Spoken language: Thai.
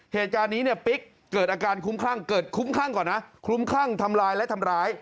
เหตุการณ์นี้เนี่ยปิ๊กเกิดอาการคุ้มคลั่งเกิดคุ้มคลั่งก่อนนะคลุ้มคลั่งทำลายและทำร้าย